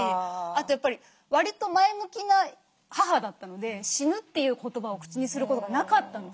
あとやっぱりわりと前向きな母だったので「死ぬ」という言葉を口にすることがなかったので。